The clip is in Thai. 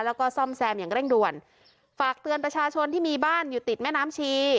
แล้วก็ซ่อมแซมอย่างเร่งด่วนฝากเตือนประชาชนที่มีบ้านอยู่ติดแม่น้ำชี